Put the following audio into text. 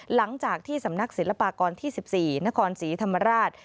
หลังจากที่สำนักศิลปากรที่๑๔นครศรีธรรมราช